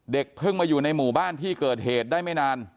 เพิ่งมาอยู่ในหมู่บ้านที่เกิดเหตุได้ไม่นาน